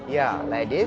ya seperti ini